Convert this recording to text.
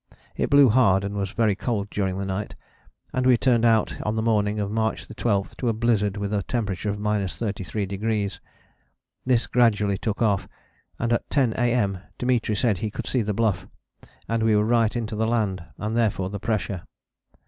It blew hard and was very cold during the night, and we turned out on the morning of March 12 to a blizzard with a temperature of 33°: this gradually took off, and at 10 A.M. Dimitri said he could see the Bluff, and we were right into the land, and therefore the pressure.